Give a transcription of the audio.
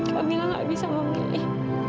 kamila gak bisa memilih